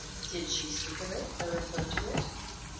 "Did she speak of it, or refer to it?"